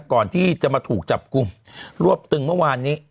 ก่อนที่จะมาถูกจับกลุ่มรวบตึงเมื่อวานนี้